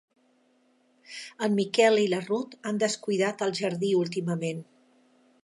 En Miquel i la Rut han descuidat el jardí últimament.